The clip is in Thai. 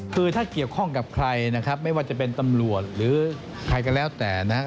คือถ้าเกี่ยวข้องกับใครนะครับไม่ว่าจะเป็นตำรวจหรือใครก็แล้วแต่นะครับ